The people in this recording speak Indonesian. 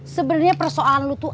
sebenernya persoalan lu tuh